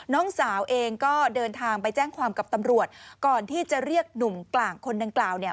น้องสาวเองก็เดินทางไปแจ้งความกับตำรวจก่อนที่จะเรียกหนุ่มกลางคนดังกล่าวเนี่ย